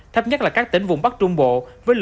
thấp nhất là các tỉnh vùng bắc trung bộ